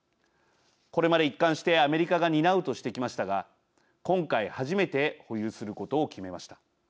これまで一貫してアメリカが担うとしてきましたが今回初めて保有することを決めました。